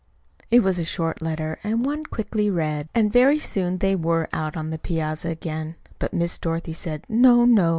It was a short letter, and one quickly read; and very soon they were out on the piazza again. But Miss Dorothy said "No, no!"